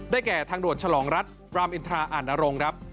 แก่ทางด่วนฉลองรัฐรามอินทราอ่านนรงค์ครับ